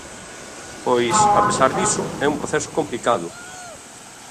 Pois, a pesar diso, é un proceso complicado.